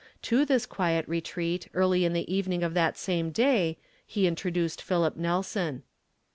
To this quiet retreat early in the evening of that same day he introduced Philip Nelson.